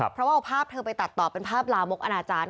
เพราะว่าเอาภาพเธอไปตัดต่อเป็นภาพลามกอนาจารย์